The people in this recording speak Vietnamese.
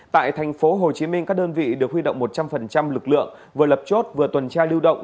tại thành phố hồ chí minh các đơn vị được huy động một trăm linh lực lượng vừa lập chốt vừa tuần tra lưu động